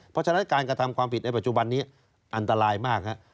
เพราะฉะนั้นการกระทำความผิดในปัจจุบันนี้อันตรายมากฮะ